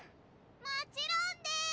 もちろんです！